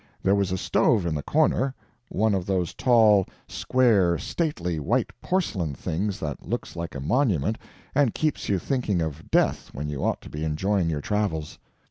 There was a stove in the corner one of those tall, square, stately white porcelain things that looks like a monument and keeps you thinking of death when you ought to be enjoying your travels.